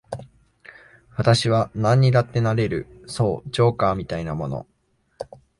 私はなんにだってなれる、そう、ジョーカーみたいなの。